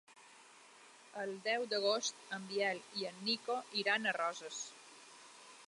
El deu d'agost en Biel i en Nico iran a Roses.